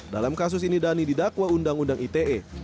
dalam kasus ini dhani didakwa undang undang ite